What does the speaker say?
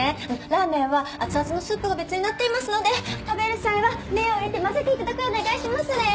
ラーメンは熱々のスープが別になっていますので食べる際は麺を入れて混ぜて頂くようお願いしますね。